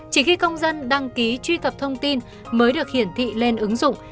chỉ khi công dân đăng ký truy cập thông tin mới được hiển thị lên ứng dụng